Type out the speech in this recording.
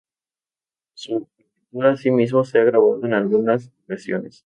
Su obertura, asimismo, se ha grabado en algunas ocasiones.